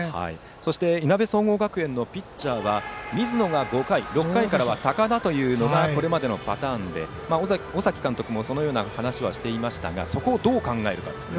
そしていなべ総合学園のピッチャーは水野が５回６回からは高田というのがこれまでのパターンで尾崎監督もそのような話はしていましたがそこをどう考えるかですね。